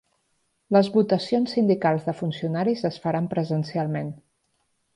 Les votacions sindicals de funcionaris es faran presencialment